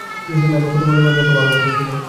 কিছুদিন আগেও তো তোমাদের মাঝে এতো ভালোবাসা ছিল।